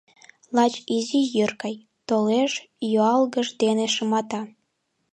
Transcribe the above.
Лач изи йӱр гай: толеш, юалгыж дене шымата.